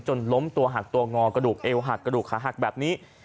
ล้มตัวหักตัวงอกระดูกเอวหักกระดูกขาหักแบบนี้